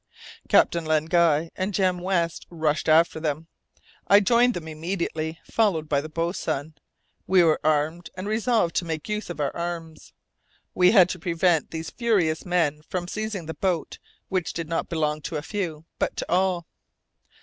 Captain Len Guy and Jem West rushed after them. I joined them immediately, followed by the boatswain. We were armed, and resolved to make use of our arms. We had to prevent these furious men from seizing the boat, which did not belong to a few, but to all!